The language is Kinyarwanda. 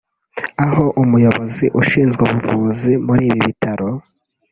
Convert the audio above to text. aho umuyobozi ushinzwe ubuvuzi muri ibi bitaro